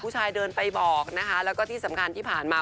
ผู้ชายเดินไปบอกนะคะแล้วก็ที่สำคัญที่ผ่านมา